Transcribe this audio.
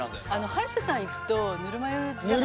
歯医者さん行くとぬるま湯じゃないですか。